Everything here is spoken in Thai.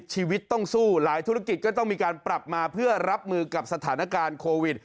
หลายธุรกิจก็ต้องมีการปรับมาเพื่อรับมือกับสถานการณ์โควิด